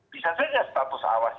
bisa saja status awas